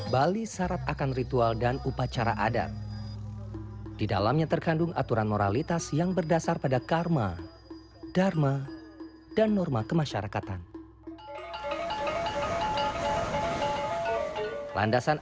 bagi masyarakat bali rempah tak hanya menjadi pelezat masakan